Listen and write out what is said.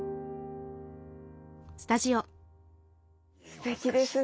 すてきですね。